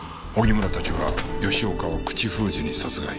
荻村たちは吉岡を口封じに殺害。